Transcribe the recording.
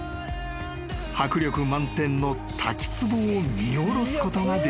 迫力満点の滝つぼを見下ろすことができる］